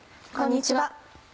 こんにちは。